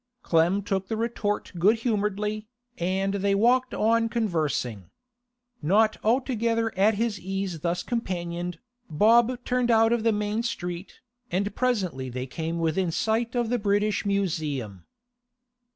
Clem took the retort good humouredly, and they walked on conversing. Not altogether at his ease thus companioned, Bob turned out of the main street, and presently they came within sight of the British Museum.